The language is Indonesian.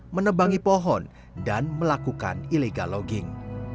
menebangi pohon dan melakukan illegal logging